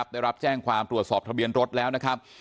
ได้รับแจ้งความตรวจสอบทะเบียนรถแล้วนะครับ